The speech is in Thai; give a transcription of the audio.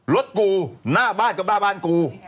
รถกูหน้าบ้านก็บ้าบ้านกู